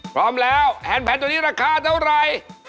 พร้อมแล้วแผนแผนตัวนี้ราคาเท่าไร